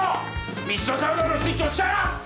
ミストサウナのスイッチ押したな！？